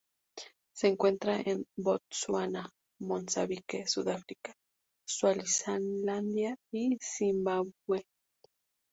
Se encuentra en Botsuana, Mozambique, Sudáfrica, Suazilandia y Zimbabue.